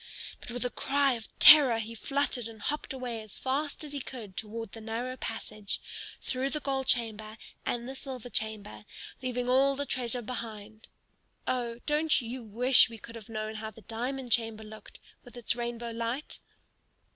But with a cry of terror he fluttered and hopped away as fast as he could toward the narrow passage, through the gold chamber and the silver chamber, leaving all the treasure behind. (Oh, don't you wish we could have known how the diamond chamber looked, with its rainbow light?)